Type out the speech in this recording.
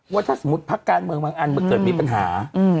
ว่าถ้าสมมุติพรรคการบางอันเกิดมีปัญหา